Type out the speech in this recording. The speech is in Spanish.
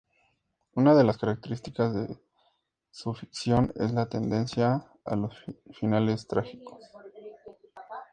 Una de las características de su ficción es la tendencia a los finales trágicos.